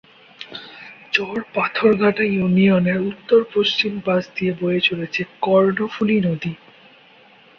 চর পাথরঘাটা ইউনিয়নের উত্তর-পশ্চিম পাশ দিয়ে বয়ে চলেছে কর্ণফুলী নদী।